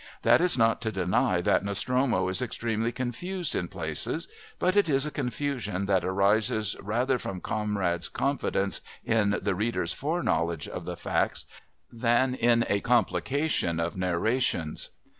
That is not to deny that Nostromo is extremely confused in places, but it is a confusion that arises rather from Conrad's confidence in the reader's fore knowledge of the facts than in a complication of narrations.